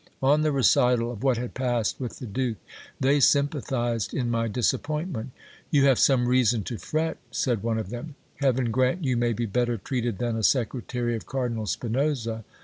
On the recital of what had passed with the duke, they sympathized in my disappointment. You have some reason to fret, said one of them. Heaven grant you may be better treated than a secretary of Cardinal Spinosa.